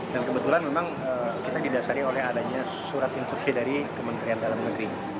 dan kebetulan memang kita didasari oleh adanya surat instruksi dari kementerian dalam negeri